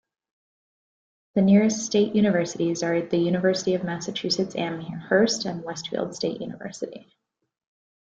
The nearest state universities are the University of Massachusetts Amherst and Westfield State University.